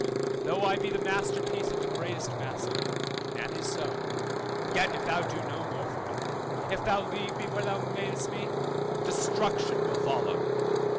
Though I be the masterpiece of the greatest master (man is so), yet if thou do no more for me, if thou leave me where thou madest me, destruction will follow.